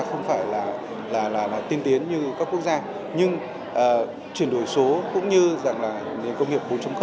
không phải là tiên tiến như các quốc gia nhưng chuyển đổi số cũng như công nghiệp bốn